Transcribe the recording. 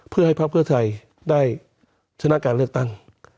เพื่อให้พักเพื่อไทยได้ชนะการเลือกตั้ง